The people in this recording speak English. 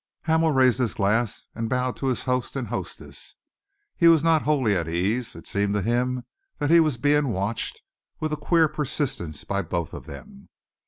Hamel raised his glass and bowed to his host and hostess. He was not wholly at his ease. It seemed to him that he was being watched with a queer persistence by both of them.